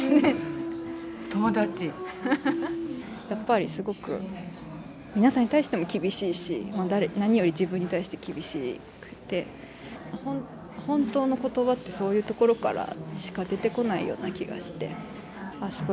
やっぱりすごく皆さんに対しても厳しいし何より自分に対して厳しくて「本当の言葉」ってそういうところからしか出てこないような気がしてああ